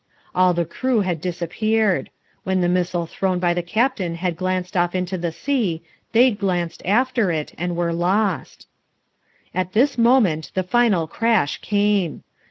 All the crew had disappeared. When the missile thrown by the captain had glanced off into the sea, they glanced after it and were lost. At this moment the final crash came.